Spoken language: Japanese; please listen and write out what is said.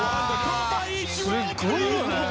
すごいよね！